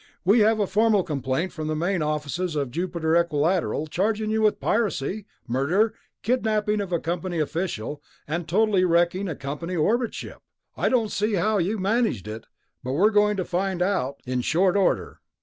"We have a formal complaint from the main offices of Jupiter Equilateral, charging you with piracy, murder, kidnapping of a company official, and totally wrecking a company orbit ship. I don't quite see how you managed it, but we're going to find out in short order."